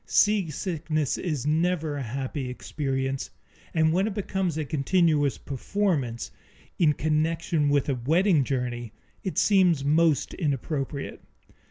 Seasickness is never a happy experience, and when it becomes a continuous performance, in connection with a wedding journey, it seems most inappropriate.